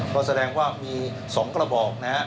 ก็แสดงว่ามี๒กระบอกนะฮะ